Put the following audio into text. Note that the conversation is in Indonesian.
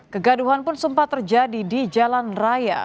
kegaduhan pun sempat terjadi di jalan raya